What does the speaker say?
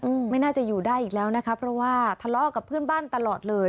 อืมไม่น่าจะอยู่ได้อีกแล้วนะคะเพราะว่าทะเลาะกับเพื่อนบ้านตลอดเลย